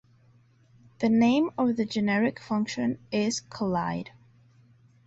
The name of the generic function is "collide".